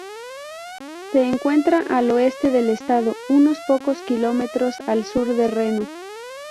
Se encuentra al oeste del estado, unos pocos kilómetros al sur de Reno.